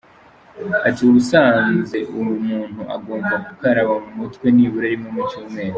Ati “ubusanze umuntu agomba gukaraba mu mutwe nibura rimwe mu cyumweru.